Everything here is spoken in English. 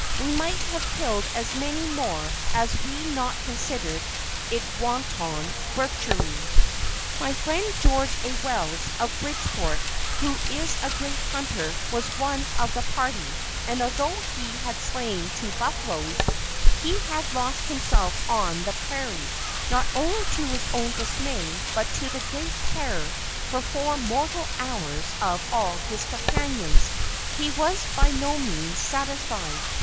We might have killed as many more had we not considered it wanton butchery. My friend George A. Wells, of Bridgeport, who is a great hunter, was one of the party, and although he had slain two buffaloes, and had lost himself on the prairie, not only to his own dismay, but to the great terror for four mortal hours of all his companions, he was by no means satisfied.